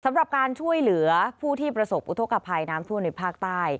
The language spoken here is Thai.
สำหรับการช่วยเหลือผู้ที่ประสบอุทธกภัยน้ำท่วมในภาคใต้